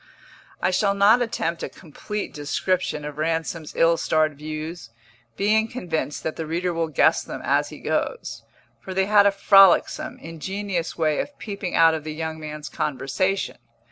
I shall not attempt a complete description of Ransom's ill starred views, being convinced that the reader will guess them as he goes, for they had a frolicsome, ingenious way of peeping out of the young man's conversation.